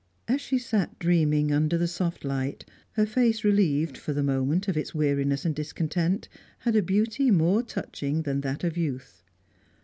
As she sat dreaming under the soft light, her face relieved for the moment of its weariness and discontent, had a beauty more touching than that of youth.